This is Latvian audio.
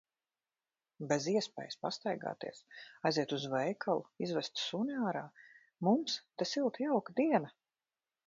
Bez iespējas pastaigāties, aiziet uz veikalu, izvest suni ārā? Mums te silta, jauka diena.